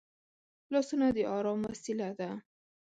لاسونه د ارام وسیله ده